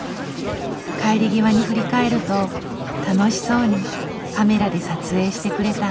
帰り際に振り返ると楽しそうにカメラで撮影してくれた。